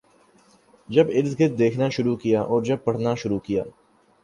جب اردگرد دیکھنا شروع کیا اور جب پڑھنا شروع کیا